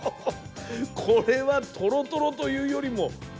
これはトロトロというよりも。